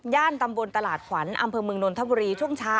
ตำบลตลาดขวัญอำเภอเมืองนนทบุรีช่วงเช้า